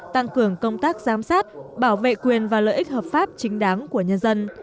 tăng cường công tác giám sát bảo vệ quyền và lợi ích hợp pháp chính đáng của nhân dân